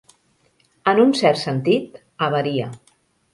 En un cert sentit, avaria.